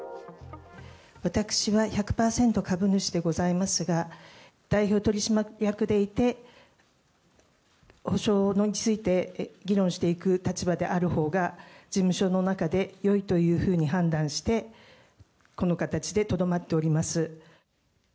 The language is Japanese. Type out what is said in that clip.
私は１００％株主でございますが、代表取締役でいて、補償について議論していく立場であるほうが、事務所の中でよいというふうに判断して、この形でとどまっております。